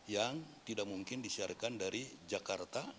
yang tidak mungkin disiarkan dari jakarta